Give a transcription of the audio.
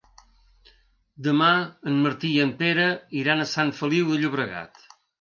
Demà en Martí i en Pere iran a Sant Feliu de Llobregat.